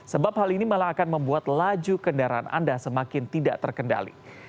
sebab hal ini malah akan membuat laju kendaraan anda semakin tidak terkendali